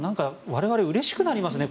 我々、うれしくなりますね。